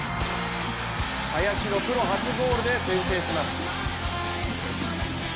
林のプロ初ゴールで先制します。